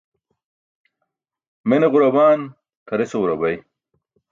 Mene ġurabaan? Tʰarese ġurabay.